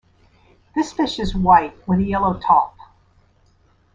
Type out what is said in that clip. This fish is white with a yellow top.